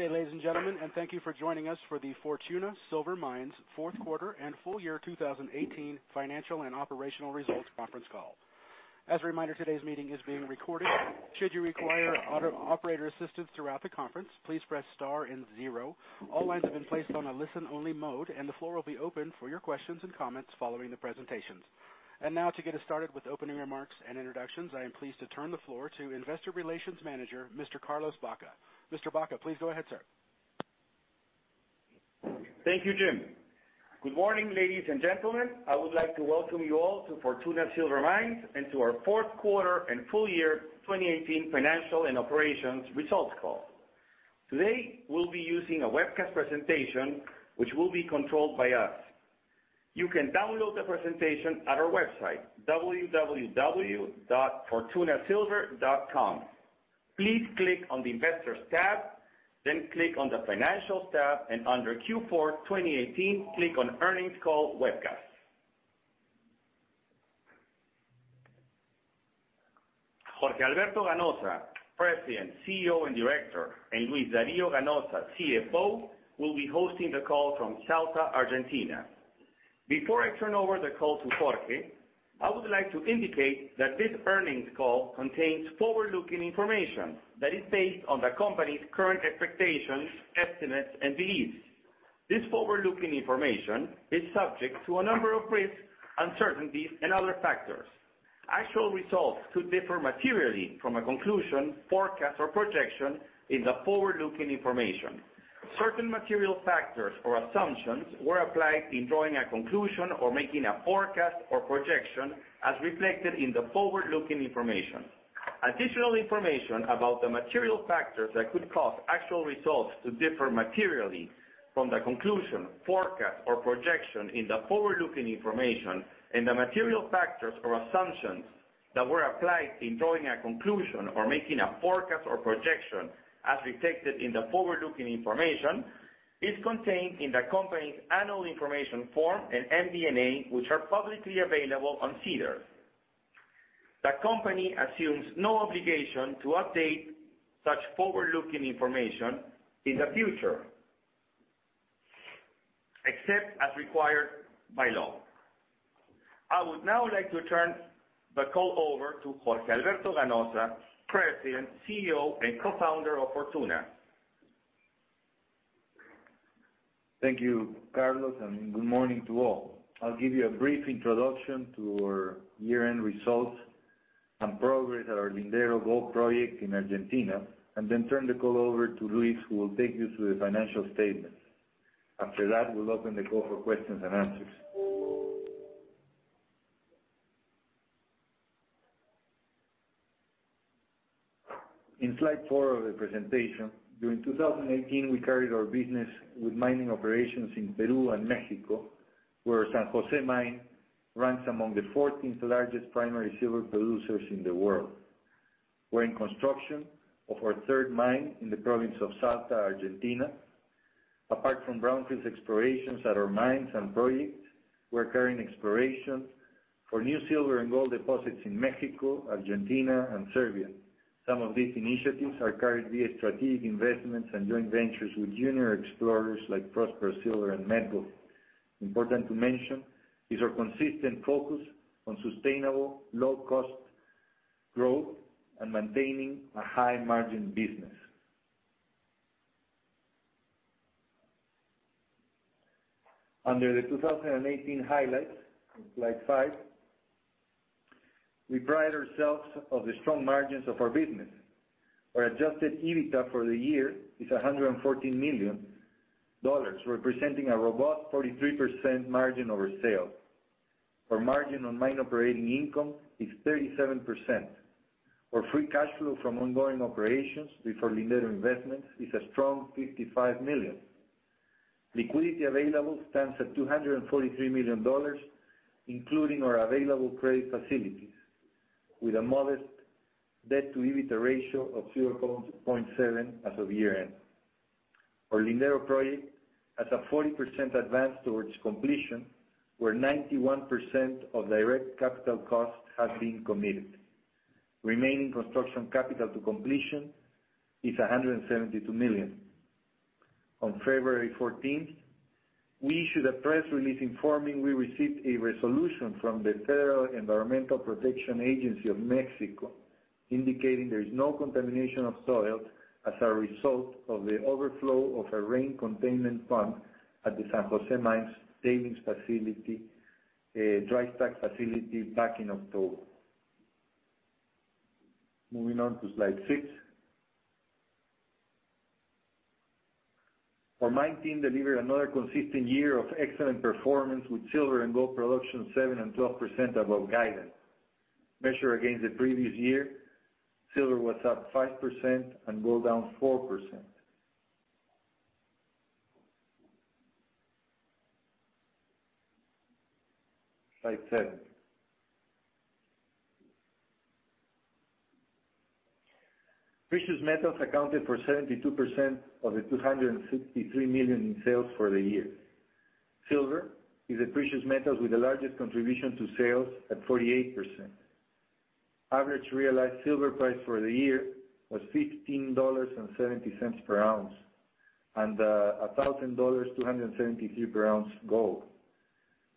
Good day, ladies and gentlemen, and thank you for joining us for the Fortuna Silver Mines Q4 and FY 2018 Financial and Operational Results Conference Call. As a reminder, today's meeting is being recorded. Should you require operator assistance throughout the conference, please press star and zero. All lines have been placed on a listen-only mode, and the floor will be open for your questions and comments following the presentations. Now to get us started with opening remarks and introductions, I am pleased to turn the floor to investor relations manager, Mr. Carlos Baca. Mr. Baca, please go ahead, sir. Thank you, Jim. Good morning, ladies and gentlemen. I would like to welcome you all to Fortuna Silver Mines, and to our Q4 and FY 2018 Financial and Operations Results Call. Today, we'll be using a webcast presentation which will be controlled by us. You can download the presentation at our website, fortunamining.com. Please click on the Investors tab, then click on the Financials tab, and under Q4 2018, click on Earnings Call Webcast. Jorge Alberto Ganoza, President, CEO, and Director, and Luis D. Ganoza, CFO, will be hosting the call from Salta, Argentina. Before I turn over the call to Jorge, I would like to indicate that this earnings call contains forward-looking information that is based on the company's current expectations, estimates, and beliefs. This forward-looking information is subject to a number of risks, uncertainties, and other factors. Actual results could differ materially from a conclusion, forecast, or projection in the forward-looking information. Certain material factors or assumptions were applied in drawing a conclusion or making a forecast or projection as reflected in the forward-looking information. Additional information about the material factors that could cause actual results to differ materially from the conclusion, forecast, or projection in the forward-looking information, and the material factors or assumptions that were applied in drawing a conclusion or making a forecast or projection as reflected in the forward-looking information, is contained in the company's annual information form and MD&A, which are publicly available on SEDAR. The company assumes no obligation to update such forward-looking information in the future except as required by law. I would now like to turn the call over to Jorge Alberto Ganoza, President, CEO, and Co-founder of Fortuna. Thank you, Carlos, and good morning to all. I'll give you a brief introduction to our year-end results and progress at our Lindero gold project in Argentina, and then turn the call over to Luis, who will take you through the financial statements. After that, we'll open the call for questions and answers. In slide four of the presentation, during 2018, we carried out our business with mining operations in Peru and Mexico, where San Jose Mine ranks among the 14th largest primary silver producers in the world. We're in construction of our third mine in the province of Salta, Argentina. Apart from brownfields explorations at our mines and projects, we're carrying out exploration for new silver and gold deposits in Mexico, Argentina, and Serbia. Some of these initiatives are carried via strategic investments and joint ventures with junior explorers like Prospero Silver and Medgold. Important to mention is our consistent focus on sustainable, low cost growth and maintaining a high margin business. Under the 2018 highlights on slide five, we pride ourselves of the strong margins of our business. Our adjusted EBITDA for the year is $114 million, representing a robust 43% margin over sale. Our margin on mine operating income is 37%. Our free cash flow from ongoing operations before Lindero investments is a strong $55 million. Liquidity available stands at $243 million, including our available credit facilities with a modest debt-to-EBITDA ratio of 0.7 as of year-end. Our Lindero project has a 40% advance towards completion, where 91% of direct capital costs have been committed. Remaining construction capital to completion is $172 million. On 14 February 2018, we issued a press release informing we received a resolution from the Federal Attorney for Environmental Protection, indicating there is no contamination of soil as a result of the overflow of a rain containment pond at the San Jose Mine storage facility, a dry stack facility, back in October. Moving on to slide six. Our mine team delivered another consistent year of excellent performance with silver and gold production 7% and 12% above guidance. Measured against the previous year, silver was up 5% and gold down 4%. Slide seven. Precious metals accounted for 72% of the $263 million in sales for the year. Silver is the precious metal with the largest contribution to sales at 48%. Average realized silver price for the year was $15.70 per oz, and $1,000.73 per oz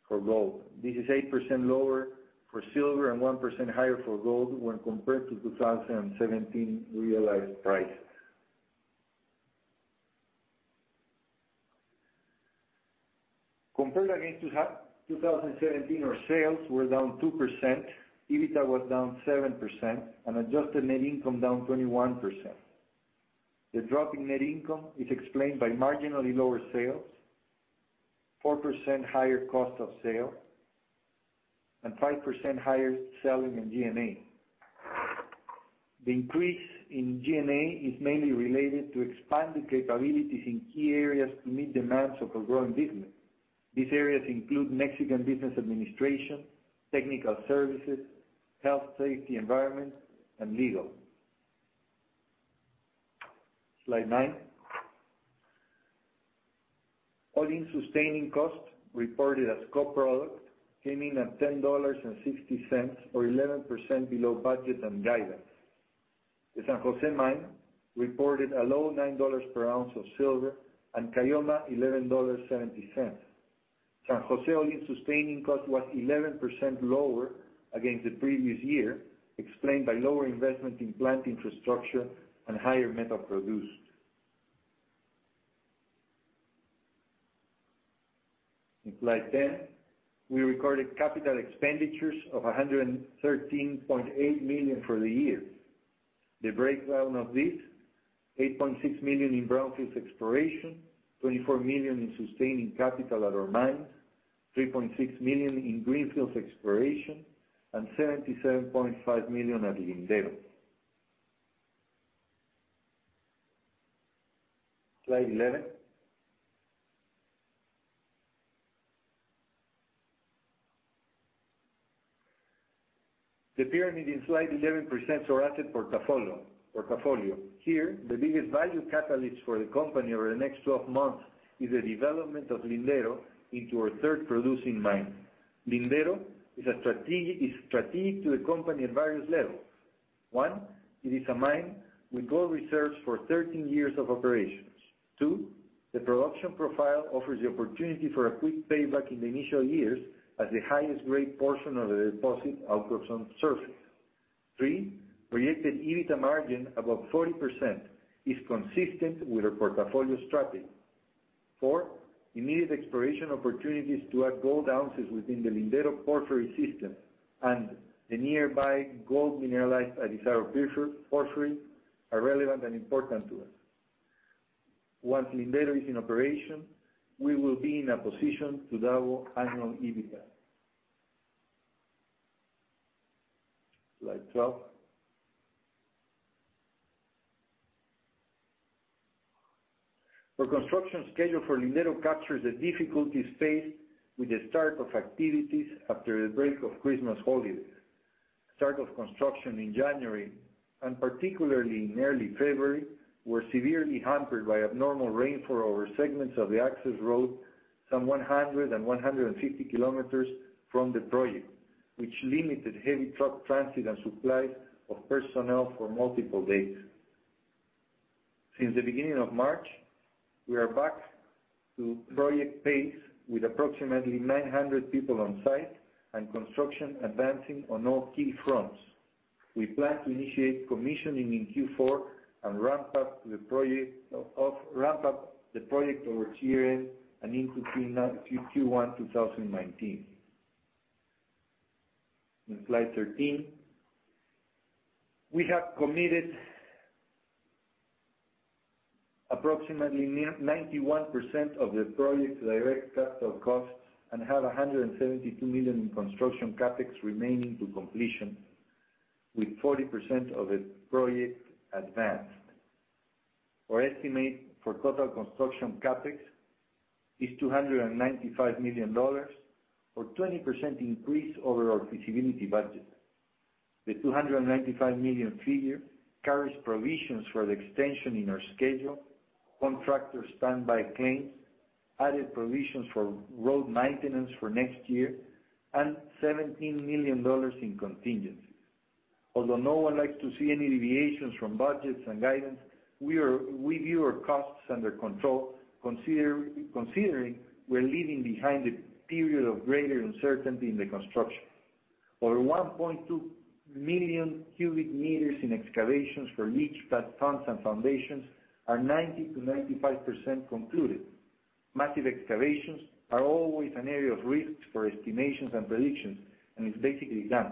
for gold. This is 8% lower for silver and 1% higher for gold when compared to 2017 realized prices. Compared against 2017, our sales were down 2%, EBITDA was down 7%, and adjusted net income down 21%. The drop in net income is explained by marginally lower sales, 4% higher cost of sale, and 5% higher selling and G&A. The increase in G&A is mainly related to expanded capabilities in key areas to meet demands of a growing business. These areas include Mexican business administration, technical services, health, safety, environment, and legal. Slide nine. All-in sustaining costs reported as by-product came in at $10.60, or 11% below budget and guidance. The San Jose Mine reported a low $9 per oz of silver and Caylloma $11.70. San Jose all-in sustaining cost was 11% lower against the previous year, explained by lower investment in plant infrastructure and higher metal produced. On slide 10, we recorded capital expenditures of $113.8 million for the year. The breakdown of this, $8.6 million in brownfields exploration, $24 million in sustaining capital at our mine, $3.6 million in greenfields exploration, and $77.5 million at Lindero. Slide 11. The pyramid in slide 11 presents our asset portfolio. Here, the biggest value catalyst for the company over the next 12-months is the development of Lindero into our third producing mine. Lindero is strategic to the company at various levels. One, it is a mine with gold reserves for 13 years of operations. Two, the production profile offers the opportunity for a quick payback in the initial years as the highest grade portion of the deposit occurs on surface. Three, projected EBITDA margin above 40% is consistent with our portfolio strategy. Four, immediate exploration opportunities to add gold ounces within the Lindero porphyry system and the nearby gold mineralized Arizaro porphyry are relevant and important to us. Once Lindero is in operation, we will be in a position to double annual EBITDA. Slide 12. Our construction schedule for Lindero captures the difficulties faced with the start of activities after the break of Christmas holidays. Start of construction in January, and particularly in early February, were severely hampered by abnormal rainfall over segments of the access road, some 100 km and 150 km from the project, which limited heavy truck transit and supplies of personnel for multiple days. Since the beginning of March, we are back to project pace with approximately 900 people on site and construction advancing on all key fronts. We plan to initiate commissioning in Q4 and ramp up the project over this year and into Q1 2019. On slide 13, we have committed approximately 91% of the project's direct capital costs and have $172 million in construction CapEx remaining to completion, with 40% of the project advanced. Our estimate for total construction CapEx is $295 million or 20% increase over our feasibility budget. The $295 million figure carries provisions for the extension in our schedule, contractor standby claims, added provisions for road maintenance for next year, and $17 million in contingencies. Although no one likes to see any deviations from budgets and guidance, we view our costs under control, considering we're leaving behind the period of greater uncertainty in the construction. Over 1.2 million cubic meters in excavations for each plant, tons and foundations are 90%-95% concluded. Massive excavations are always an area of risk for estimations and predictions, and it's basically done.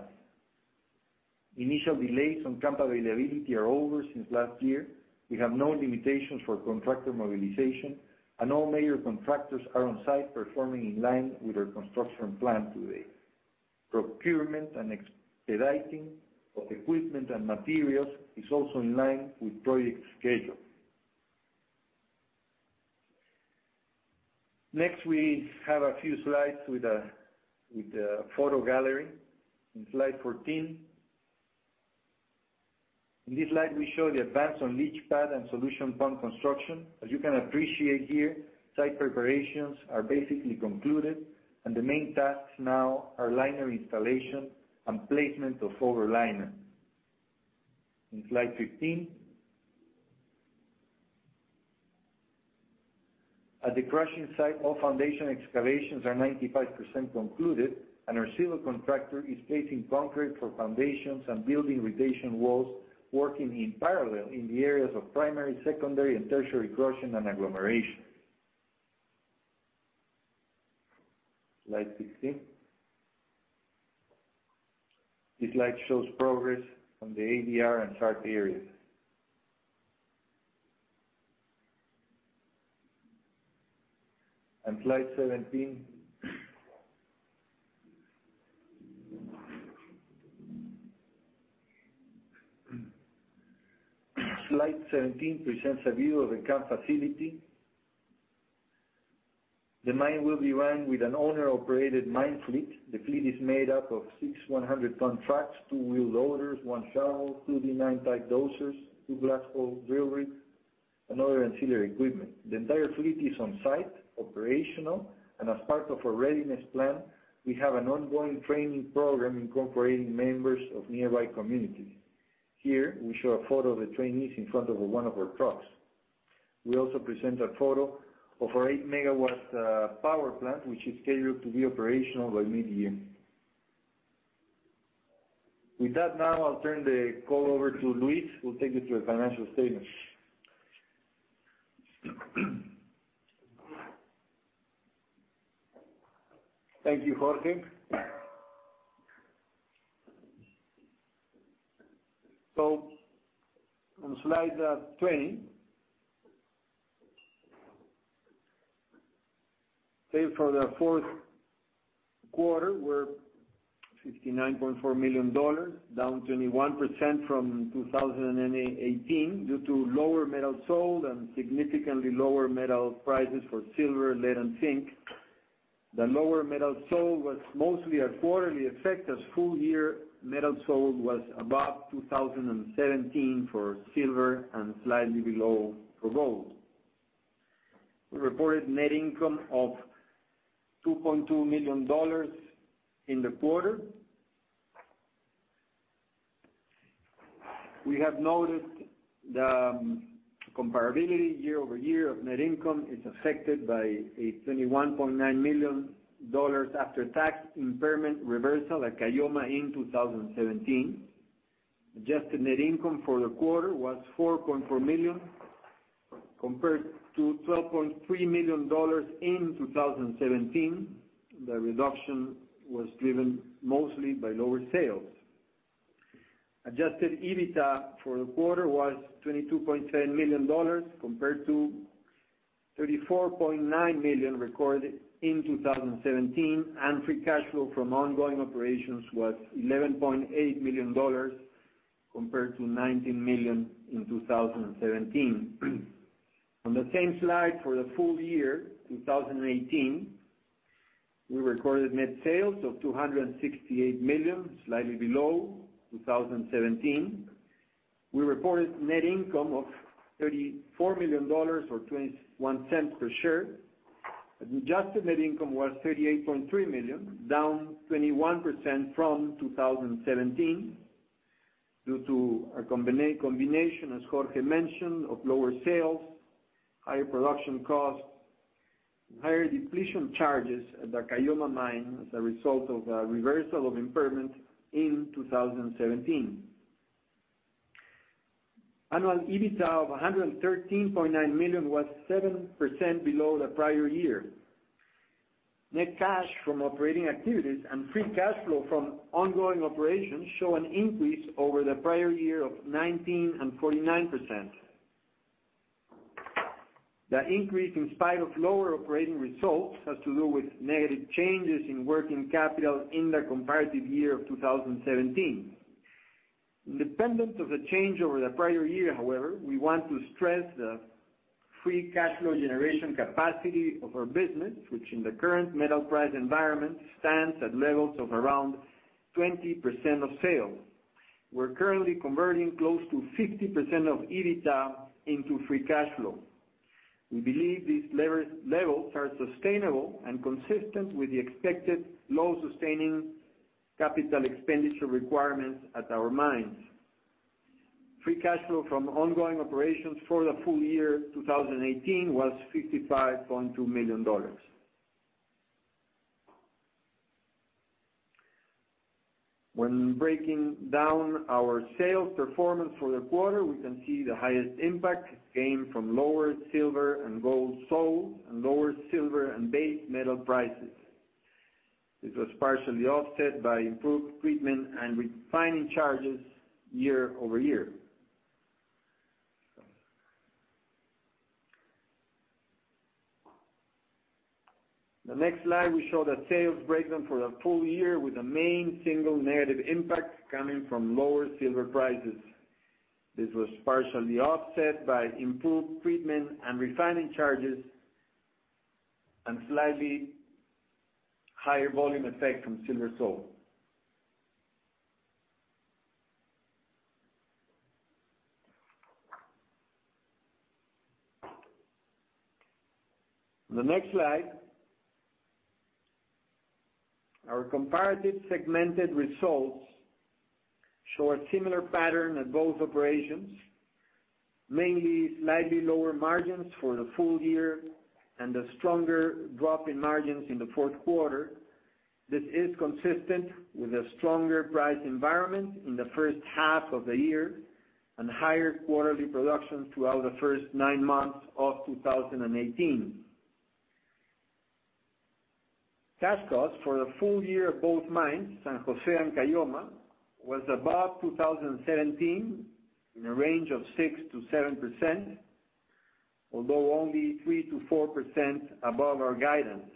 Initial delays on camp availability are over since last year. We have no limitations for contractor mobilization, and all major contractors are on site performing in line with our construction plan to date. Procurement and expediting of equipment and materials is also in line with project schedule. Next, we have a few slides with a photo gallery. In slide 14, we show the advance on leach pad and solution pump construction. As you can appreciate here, site preparations are basically concluded, and the main tasks now are liner installation and placement of overliner. In slide 15, at the crushing site, all foundation excavations are 95% concluded, and our civil contractor is placing concrete for foundations and building retention walls, working in parallel in the areas of primary, secondary, and tertiary crushing and agglomeration. Slide 16. This slide shows progress on the ADR and SART areas. Slide 17 presents a view of the camp facility. The mine will be run with an owner-operated mine fleet. The fleet is made up of six 100-ton trucks, two wheel loaders, one shovel, two D9-type dozers, two blasthole drill rigs, and other ancillary equipment. The entire fleet is on-site, operational, and as part of our readiness plan, we have an ongoing training program incorporating members of nearby communities. Here, we show a photo of the trainees in front of one of our trucks. We also present a photo of our 8-MW power plant, which is scheduled to be operational by mid-year. With that, now I'll turn the call over to Luis, who'll take you through the financial statements. Thank you, Jorge. On slide 20, sales for the Q4 were $59.4 million, down 21% from 2018 due to lower metal sold and significantly lower metal prices for silver, lead, and zinc. The lower metal sold was mostly a quarterly effect, as full-year metal sold was above 2017 for silver and slightly below for gold. We reported net income of $2.2 million in the quarter. We have noted the comparability YoY of net income is affected by a $21.9 million after-tax impairment reversal at Caylloma in 2017. Adjusted net income for the quarter was $4.4 million compared to $12.3 million in 2017. The reduction was driven mostly by lower sales. Adjusted EBITDA for the quarter was $22.7 million, compared to $34.9 million recorded in 2017, and free cash flow from ongoing operations was $11.8 million compared to $19 million in 2017. On the same slide for the FY 2018, we recorded net sales of $268 million, slightly below 2017. We reported net income of $34 million, or $0.21 per share. Adjusted net income was $38.3 million, down 21% from 2017 due to a combination, as Jorge mentioned, of lower sales, higher production costs, and higher depletion charges at the Caylloma mine as a result of a reversal of impairment in 2017. Annual EBITDA of $113.9 million was 7% below the prior year. Net cash from operating activities and free cash flow from ongoing operations show an increase over the prior year of 19% and 49%. The increase, in spite of lower operating results, has to do with negative changes in working capital in the comparative year of 2017. Independent of the change over the prior year, however, we want to stress the free cash flow generation capacity of our business, which in the current metal price environment, stands at levels of around 20% of sales. We're currently converting close to 50% of EBITDA into free cash flow. We believe these levels are sustainable and consistent with the expected low sustaining capital expenditure requirements at our mines. Free cash flow from ongoing operations for the FY 2018 was $55.2 million. When breaking down our sales performance for the quarter, we can see the highest impact came from lower silver and gold sold and lower silver and base metal prices. This was partially offset by improved treatment and refining charges year-over-year. The next slide, we show the sales breakdown for the full year with the main single negative impact coming from lower silver prices. This was partially offset by improved treatment and refining charges and slightly higher volume effect from silver sold. On the next slide, our comparative segmented results show a similar pattern at both operations, mainly slightly lower margins for the full year and a stronger drop in margins in the Q4. This is consistent with a stronger price environment in the H1 of the year and higher quarterly production throughout the first nine months of 2018. Cash costs for the full year of both mines, San Jose and Caylloma, was above 2017 in a range of 6%-7%, although only 3%-4% above our guidance.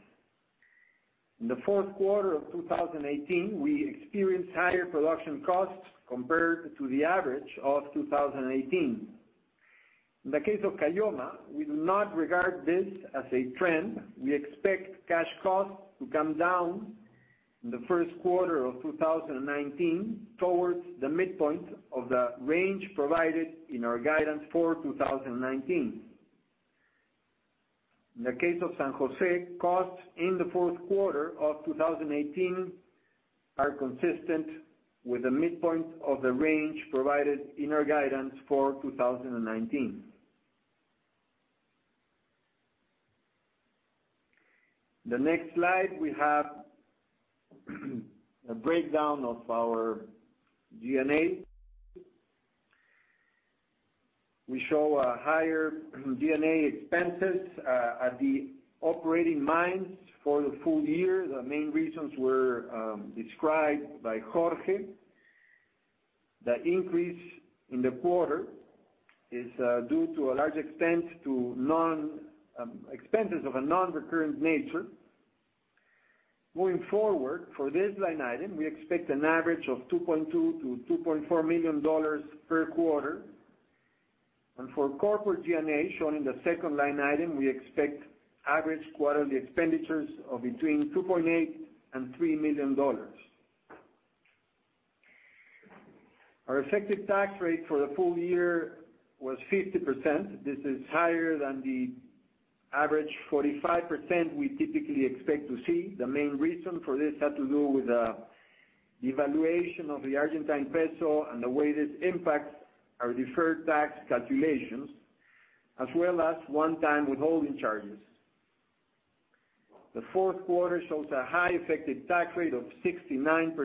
In the Q4 of 2018, we experienced higher production costs compared to the average of 2018. In the case of Caylloma, we do not regard this as a trend. We expect cash costs to come down in the Q1 of 2019 towards the midpoint of the range provided in our guidance for 2019. In the case of San Jose, costs in the Q4 of 2018 are consistent with the midpoint of the range provided in our guidance for 2019. The next slide we have a breakdown of our G&A. We show higher G&A expenses at the operating mines for the full year. The main reasons were described by Jorge. The increase in the quarter is due to a large extent to expenses of a non-recurrent nature. Moving forward, for this line item, we expect an average of $2.2 million-$2.4 million per quarter. For corporate G&A, shown in the second line item, we expect average quarterly expenditures of between $2.8 and $3 million. Our effective tax rate for the full year was 50%. This is higher than the average 45% we typically expect to see. The main reason for this had to do with the devaluation of the Argentine peso and the way this impacts our deferred tax calculations, as well as one-time withholding charges. The Q4 shows a high effective tax rate of 69%.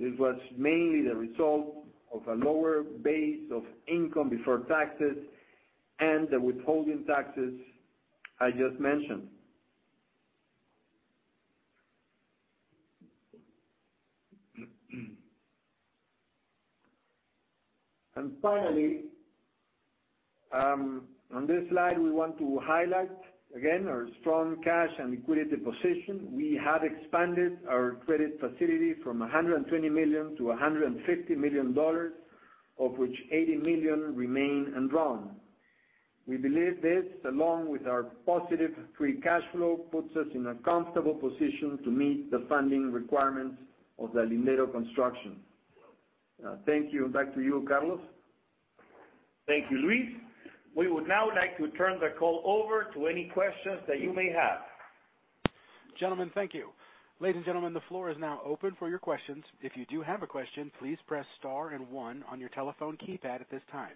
This was mainly the result of a lower base of income before taxes and the withholding taxes I just mentioned. Finally, on this slide, we want to highlight again our strong cash and liquidity position. We have expanded our credit facility from $120 million-$150 million, of which $80 million remain undrawn. We believe this, along with our positive free cash flow, puts us in a comfortable position to meet the funding requirements of the Lindero construction. Thank you. Back to you, Carlos. Thank you, Luis. We would now like to turn the call over to any questions that you may have. Gentlemen, thank you. Ladies and gentlemen, the floor is now open for your questions. If you do have a question, please press star and one on your telephone keypad at this time.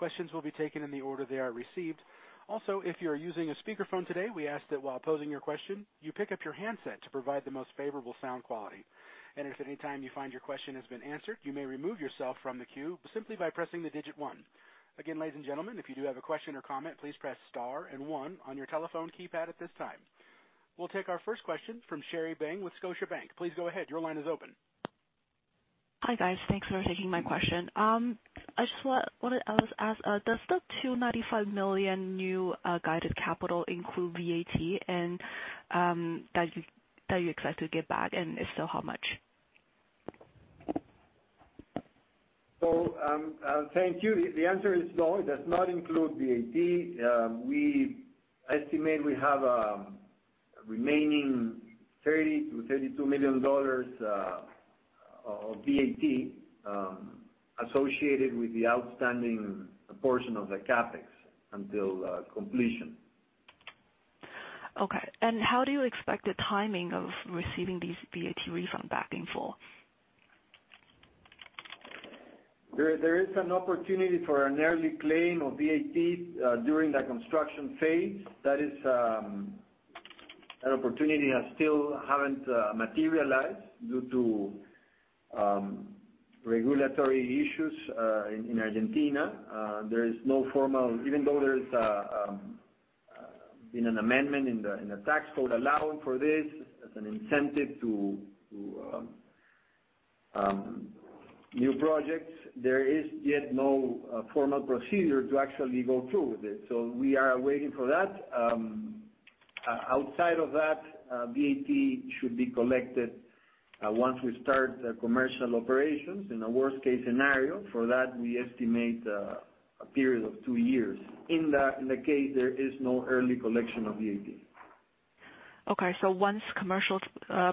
Questions will be taken in the order they are received. Also, if you are using a speakerphone today, we ask that while posing your question, you pick up your handset to provide the most favorable sound quality. If at any time you find your question has been answered, you may remove yourself from the queue simply by pressing the digit one. Again, ladies and gentlemen, if you do have a question or comment, please press star and one on your telephone keypad at this time. We'll take our first question from Tanya Jakusconek with Scotiabank. Please go ahead. Your line is open. Hi, guys. Thanks for taking my question. I just wanted to ask, does the $295 million new guided capital include VAT and that you expect to get back, and if so, how much? Thank you. The answer is no, it does not include VAT. We estimate we have a remaining $30 million-$32 million of VAT associated with the outstanding portion of the CapEx until completion. Okay. How do you expect the timing of receiving these VAT refund back in full? There is an opportunity for an early claim of VAT during the construction phase. That is an opportunity that still hasn't materialized due to regulatory issues in Argentina. Even though there's been an amendment in the tax code allowing for this as an incentive to new projects, there is yet no formal procedure to actually go through with it, so we are waiting for that. Outside of that, VAT should be collected Once we start commercial operations in a worst-case scenario, for that, we estimate a period of two-years. In that case, there is no early collection of the 18. Okay. Once commercial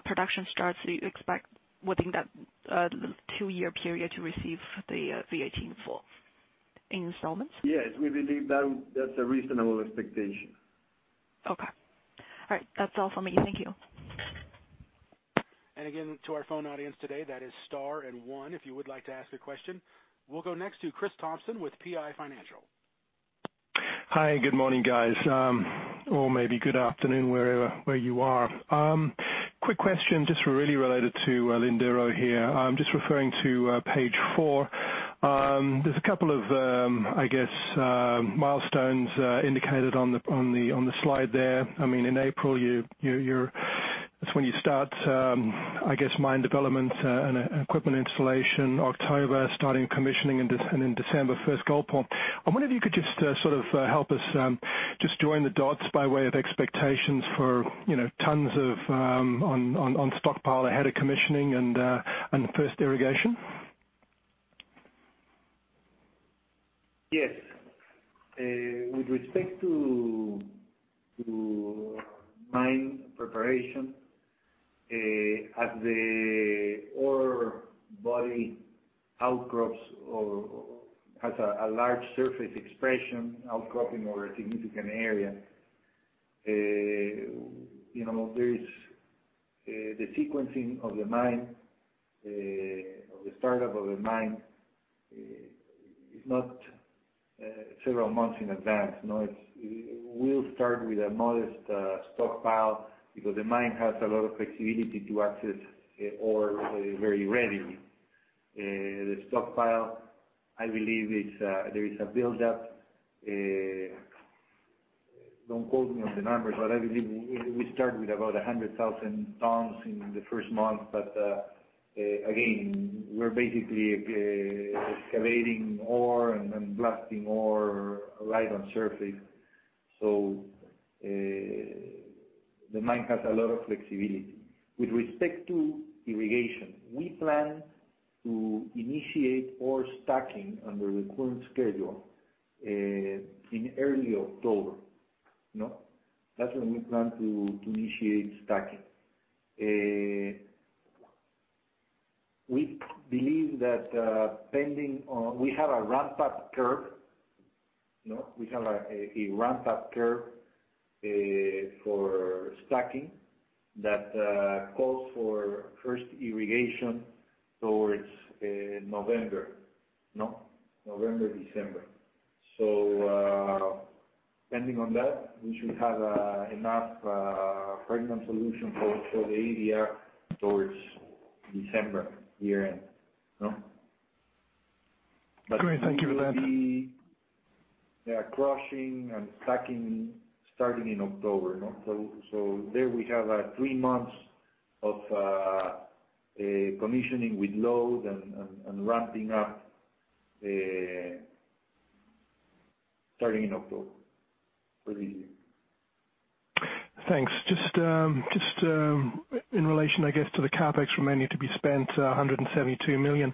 production starts, do you expect within that two-year period to receive the $18 in full in installments? Yes. We believe that's a reasonable expectation. Okay. All right. That's all for me. Thank you. Again, to our phone audience today, that is star one if you would like to ask a question. We'll go next to Chris Thompson with PI Financial. Hi, good morning, guys, or maybe good afternoon, wherever you are. Quick question just really related to Lindero here. Just referring to page four. There's a couple of, I guess, milestones indicated on the slide there. In April, that's when you start mine development and equipment installation. October starting commissioning, and in December, first gold pour. I wonder if you could just sort of help us just join the dots by way of expectations for tons on stockpile ahead of commissioning and first irrigation. Yes. With respect to mine preparation, as the ore body outcrops or has a large surface expression outcropping over a significant area, the sequencing of the mine, of the startup of the mine, is not several months in advance. No, we'll start with a modest stockpile because the mine has a lot of flexibility to access ore very readily. The stockpile, I believe there is a build-up. Don't quote me on the numbers, but I believe we start with about 100,000 tons in the first month. Again, we're basically excavating ore and blasting ore right on surface. The mine has a lot of flexibility. With respect to irrigation, we plan to initiate ore stacking under the current schedule in early October. That's when we plan to initiate stacking. We believe that we have a ramp-up curve for stacking that calls for first irrigation towards November, December. Depending on that, we should have enough pregnant solution for the ADR towards December year-end. Great. Thank you for that. We will be crushing and stacking starting in October. There we have three months of commissioning with load and ramping up starting in October. Thanks. Just in relation, I guess, to the CapEx remaining to be spent, $172 million.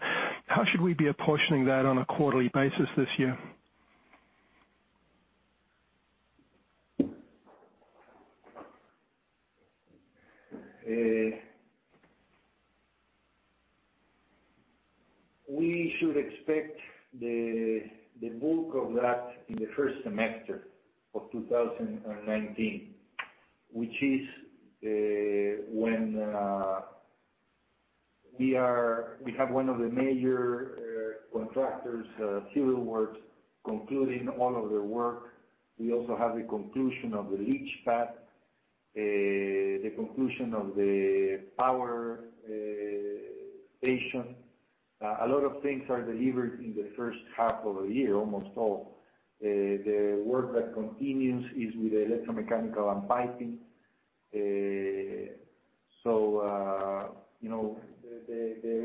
How should we be apportioning that on a quarterly basis this year? We should expect the bulk of that in the first semester of 2019, which is when we have one of the major contractors, civil works, concluding all of their work. We also have the conclusion of the leach pad, the conclusion of the power station. A lot of things are delivered in the H1 of the year, almost all. The work that continues is with electromechanical and piping. The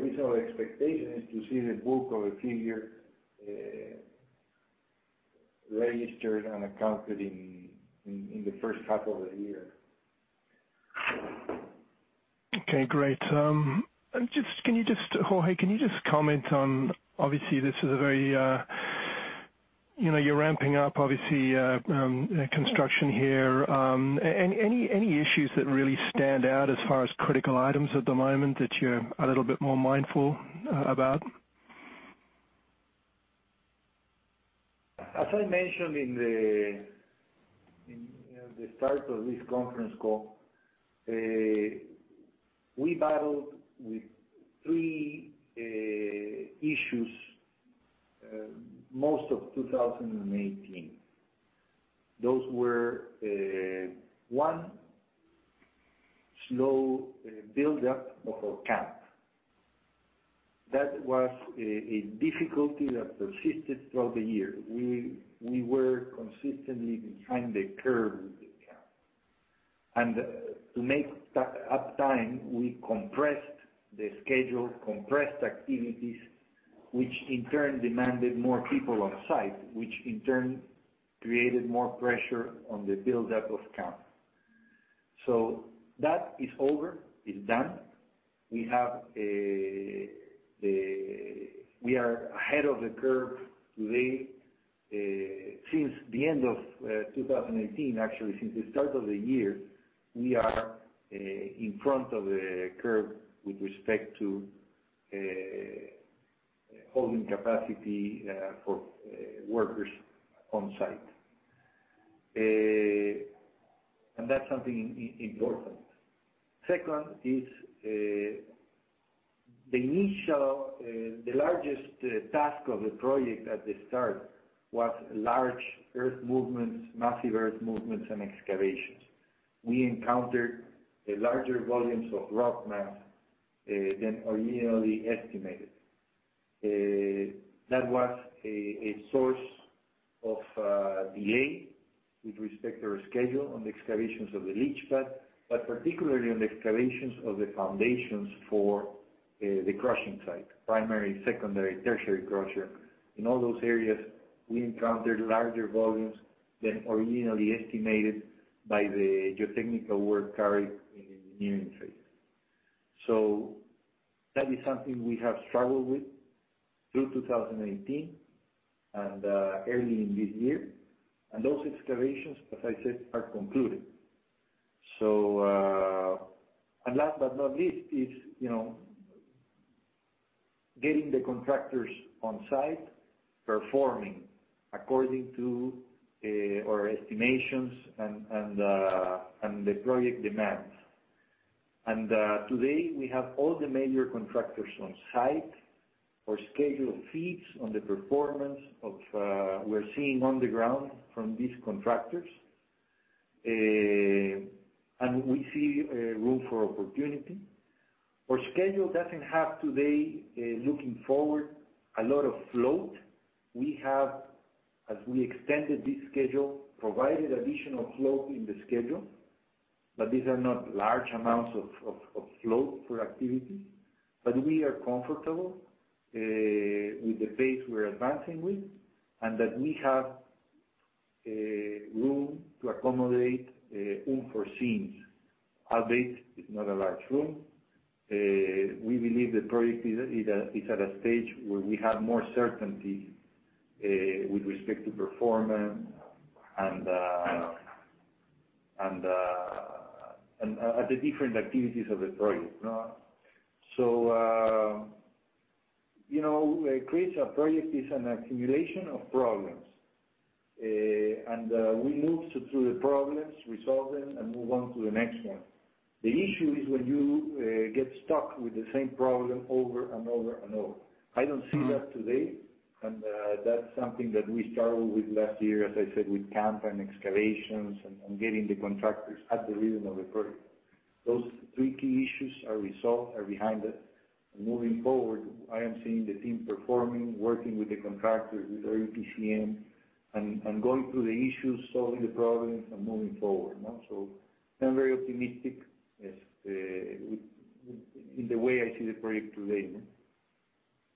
reasonable expectation is to see the bulk of it here registered and accounted in the H1 of the year. Okay, great. Can you just, Jorge, comment on obviously this is, you're ramping up obviously construction here. Any issues that really stand out as far as critical items at the moment that you're a little bit more mindful about? As I mentioned in the start of this conference call, we battled with three issues most of 2018. Those were, one, slow build-up of our camp. That was a difficulty that persisted throughout the year. We were consistently behind the curve with the camp. To make up time, we compressed the schedule, compressed activities, which in turn created more pressure on the buildup of camp. That is over, it's done. We are ahead of the curve today, since the end of 2018. Actually, since the start of the year, we are in front of the curve with respect to holding capacity for workers on-site. That's something important. Second is the largest task of the project at the start was large earth movements, massive earth movements, and excavations. We encountered larger volumes of rock mass than originally estimated. That was a source of delay with respect to our schedule on the excavations of the leach pad, but particularly on the excavations of the foundations for the crushing site, primary, secondary, tertiary crusher. In all those areas, we encountered larger volumes than originally estimated by the geotechnical work carried in the engineering phase. That is something we have struggled with through 2018 and early in this year. Those excavations, as I said, are concluded. Last but not least is getting the contractors on site, performing according to our estimations and the project demands. Today we have all the major contractors on site. Our schedule feeds on the performance we're seeing on the ground from these contractors, and we see room for opportunity. Our schedule doesn't have today, looking forward, a lot of float. We have, as we extended this schedule, provided additional float in the schedule, but these are not large amounts of float for activity. We are comfortable with the pace we're advancing with, and that we have room to accommodate unforeseens. Albeit it's not a large room. We believe the project is at a stage where we have more certainty with respect to performance and at the different activities of the project. Chris, our project is an accumulation of problems. We move through the problems, resolve them, and move on to the next one. The issue is when you get stuck with the same problem over and over and over. I don't see that today, and that's something that we struggled with last year, as I said, with camp and excavations and getting the contractors at the rhythm of the project. Those three key issues are resolved, are behind us. Moving forward, I am seeing the team performing, working with the contractors, with our EPCM, and going through the issues, solving the problems, and moving forward. I'm very optimistic in the way I see the project today.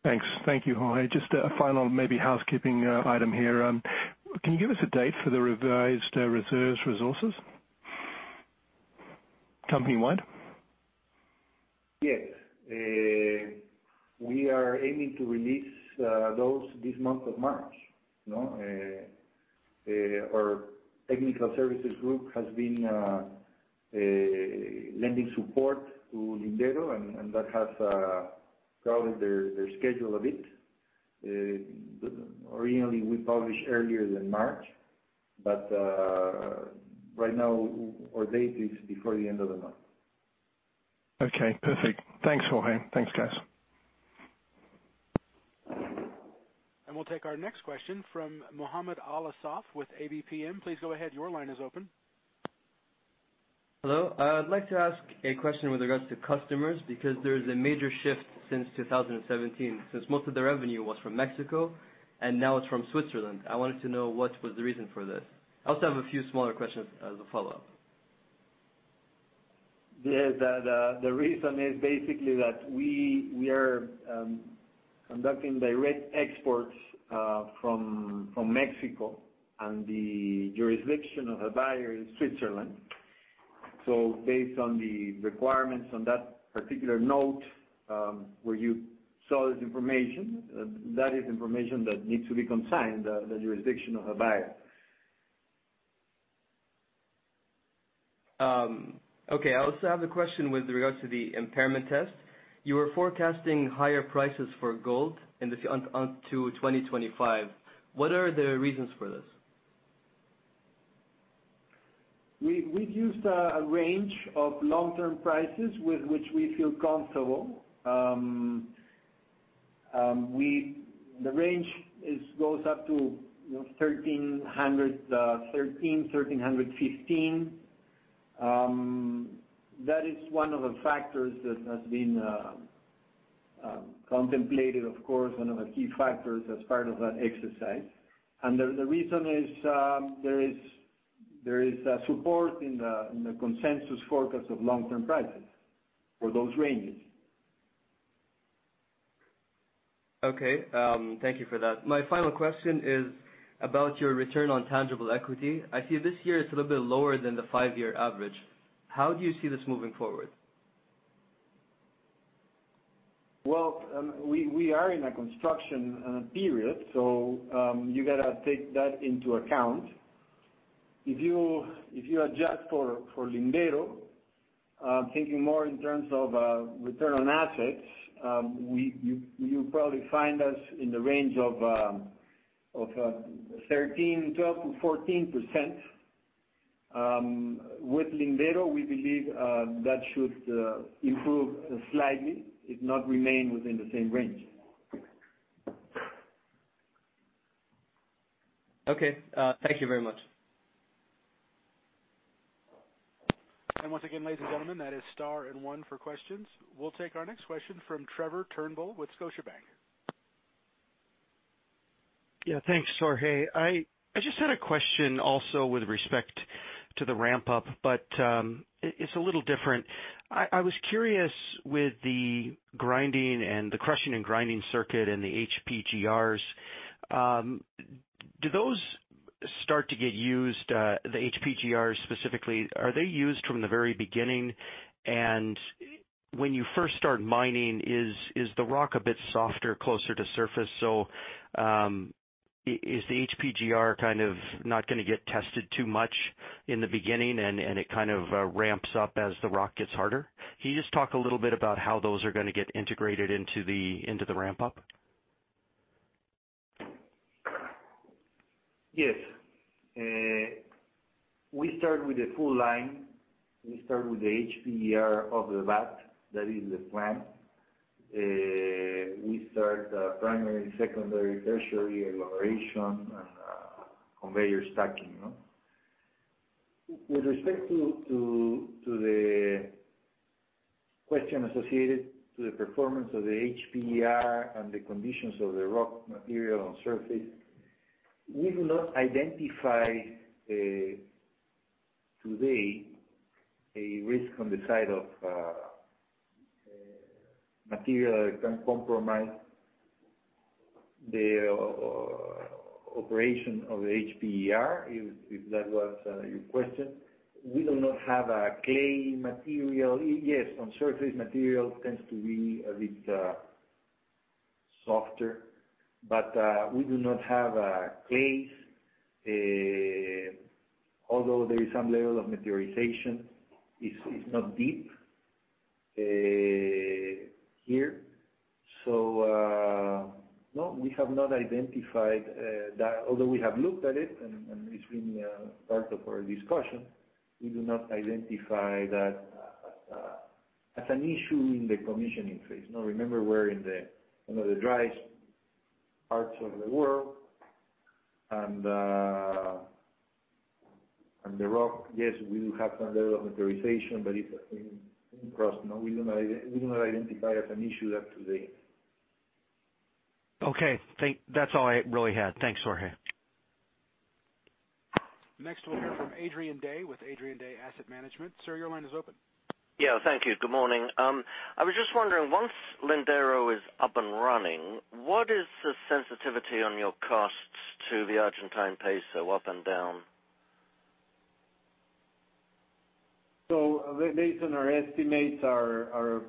Thanks. Thank you, Jorge. Just a final maybe housekeeping item here. Can you give us a date for the revised reserves and resources company-wide? Yes. We are aiming to release those this month of March. Our technical services group has been lending support to Lindero, and that has crowded their schedule a bit. Originally, we published earlier than March, but right now our date is before the end of the month. Okay, perfect. Thanks, Jorge. Thanks, guys. We'll take our next question from Mohammed Alasaf with ABPM. Please go ahead. Your line is open. Hello. I'd like to ask a question with regards to customers, because there is a major shift since 2017, since most of the revenue was from Mexico and now it's from Switzerland. I wanted to know what was the reason for this. I also have a few smaller questions as a follow-up. The reason is basically that we are conducting direct exports from Mexico, and the jurisdiction of a buyer is Switzerland. Based on the requirements on that particular note where you saw this information, that is information that needs to be consigned, the jurisdiction of a buyer. Okay. I also have a question with regard to the impairment test. You were forecasting higher prices for gold into 2025. What are the reasons for this? We've used a range of long-term prices with which we feel comfortable. The range goes up to 1,300-1,315. That is one of the factors that has been contemplated, of course, one of the key factors as part of that exercise. The reason is there is support in the consensus forecast of long-term prices for those ranges. Okay. Thank you for that. My final question is about your return on tangible equity. I see this year it's a little bit lower than the five-year average. How do you see this moving forward? Well, we are in a construction period, so you got to take that into account. If you adjust for Lindero, thinking more in terms of return on assets, you'll probably find us in the range of 12%-14%. With Lindero, we believe that should improve slightly, if not remain within the same range. Okay. Thank you very much. Once again, ladies and gentlemen, that is star one for questions. We'll take our next question from Trevor Turnbull with Scotiabank. Yeah. Thanks, Jorge. I just had a question also with respect to the ramp-up, but it's a little different. I was curious with the crushing and grinding circuit and the HPGRs, do those start to get used, the HPGRs specifically, are they used from the very beginning? When you first start mining, is the rock a bit softer closer to surface? Is the HPGR kind of not going to get tested too much in the beginning, and it kind of ramps up as the rock gets harder? Can you just talk a little bit about how those are going to get integrated into the ramp-up? Yes. We start with the full line. We start with the HPGR off the bat. That is the plan. We start primary, secondary, tertiary, agglomeration, and conveyor stacking. With respect to the question associated to the performance of the HPGR and the conditions of the rock material on surface, we've not identified today a risk on the side of material that can compromise the operation of the HPGR, if that was your question. We do not have a clay material. Yes, on surface material tends to be a bit softer, but we do not have clays. Although there is some level of weathering, it's not deep here. So, no, we have not identified that, although we have looked at it, and it's been part of our discussion. We do not identify that as an issue in the commissioning phase. Now remember, we're in one of the driest parts of the world. The rock, yes, we do have some level of mineralization, but it's in crust. We do not identify it as an issue today. Okay. That's all I really had. Thanks, Jorge. Next we'll hear from Adrian Day with Adrian Day Asset Management. Sir, your line is open. Yeah, thank you. Good morning. I was just wondering, once Lindero is up and running, what is the sensitivity on your costs to the Argentine peso, up and down? Based on our estimates, our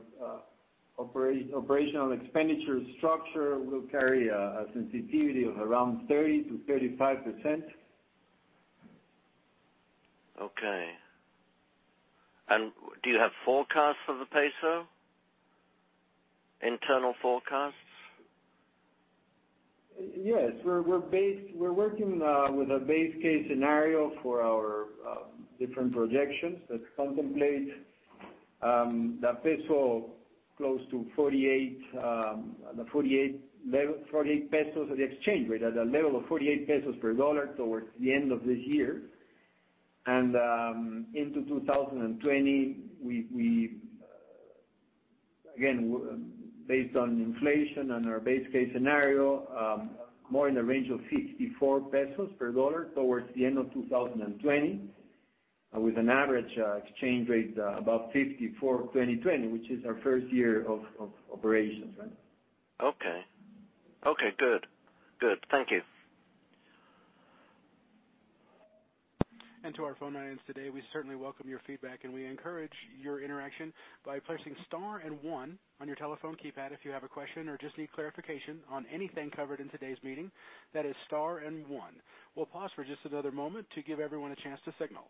operating expenditure structure will carry a sensitivity of around 30%-35%. Okay. Do you have forecasts for the peso? Internal forecasts? Yes. We're working with a base case scenario for our different projections that contemplate the peso close to the 48 pesos at the exchange rate, at a level of 48 pesos per dollar towards the end of this year. Into 2020, again, based on inflation and our base case scenario, more in the range of 64 pesos per dollar towards the end of 2020, with an average exchange rate about 54 in 2020, which is our first year of operations. Okay. Okay, good. Thank you. To our phone lines today, we certainly welcome your feedback, and we encourage your interaction by pressing star and one on your telephone keypad if you have a question or just need clarification on anything covered in today's meeting. That is star and one. We'll pause for just another moment to give everyone a chance to signal.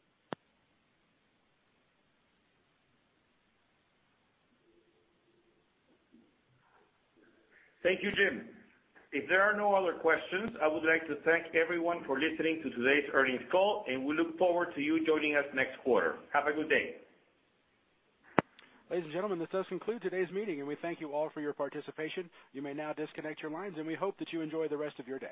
Thank you, Jim. If there are no other questions, I would like to thank everyone for listening to today's earnings call, and we look forward to you joining us next quarter. Have a good day. Ladies and gentlemen, this does conclude today's meeting, and we thank you all for your participation. You may now disconnect your lines, and we hope that you enjoy the rest of your day.